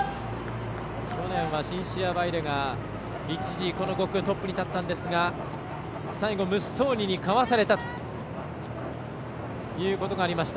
去年はシンシアが一時、この５区１位に立ったんですが最後ムッソーニにかわされたということがありました。